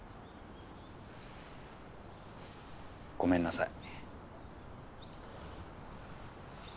ごめんなさい。